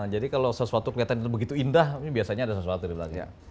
jadi kalau sesuatu kelihatan begitu indah biasanya ada sesuatu di belakang